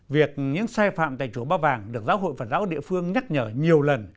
việc những sai phạm tại chùa ba vàng được giáo hội phật giáo địa phương nhắc nhở nhiều lần